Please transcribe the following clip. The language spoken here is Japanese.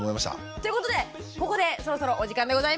ってことでここでそろそろお時間でございます！